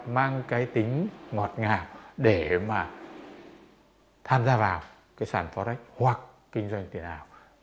mang cái tính ngọt ngào để mà tham gia vào cái sản phó rách hoặc kinh doanh tiền ảo